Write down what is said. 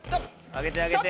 上げて上げて。